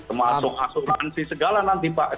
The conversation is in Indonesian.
termasuk asuransi segala nanti pak